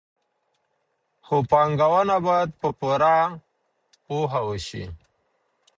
خو پانګونه باید په پوره پوهه وشي.